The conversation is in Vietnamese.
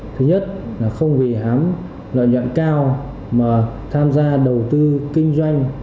thứ nhất là không vì hám lợi nhuận cao mà tham gia đầu tư kinh doanh